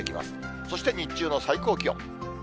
そして日中の最高気温。